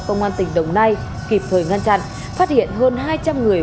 công an tỉnh đồng nai kịp thời ngăn chặn phát hiện hơn hai trăm linh người